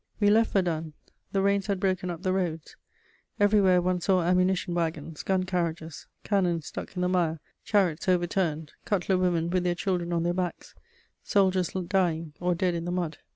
We left Verdun. The rains had broken up the roads; everywhere one saw ammunition wagons, gun carriages, cannon stuck in the mire, chariots overturned, cutler women with their children on their backs, soldiers dying or dead in the mud.